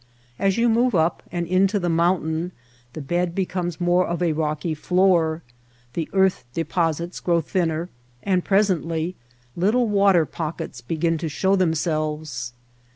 As yon move up and into the mountain the bed be comes more of a rocky floor, the earth deposits grow thii; iner, and presently little water pockets begin to show themselves.